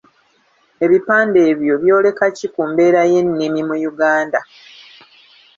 Ebipande ebyo byoleka ki ku mbeera y’ennimi mu Uganda?